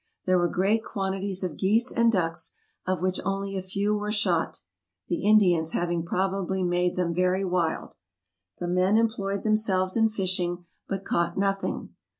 There were great quantities of geese and ducks, of which only a few were shot; the Indians hav AMERICA 87 ing probably made them very wild. The men employed themselves in fishing, but caught nothing.